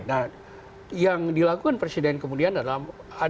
nah yang dilakukan presiden kemudian adalah